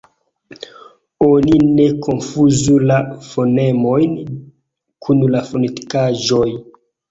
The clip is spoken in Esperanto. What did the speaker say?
Oni ne konfuzu la fonemojn kun la fonetikaĵoj.